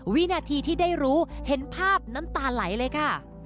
วินาทีที่ได้รู้เห็นภาพน้ำตาไหลเลยค่ะ